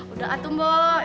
udah atuh mbok